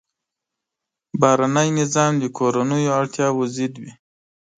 بهرنی نظام د کورنیو اړتیاوو ضد وي.